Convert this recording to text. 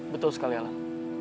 betul sekali alang